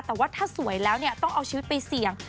แต่ว่าถ้าสวยแล้วเนี่ยต้องเอาชีวิตไปเสี่ยง